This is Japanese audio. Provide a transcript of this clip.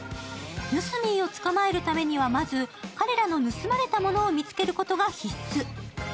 ヌスミーを捕まえるためには、まず彼らの盗まれたものを見つけることが必須。